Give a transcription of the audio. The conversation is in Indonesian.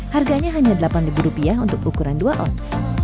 harganya hanya delapan ribu rupiah untuk ukuran dua oz